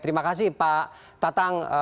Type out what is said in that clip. terima kasih pak tatang